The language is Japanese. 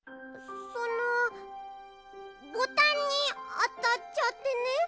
そのボタンにあたっちゃってね。